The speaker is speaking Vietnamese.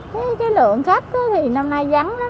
thế cái lượng khách thì năm nay vắng lắm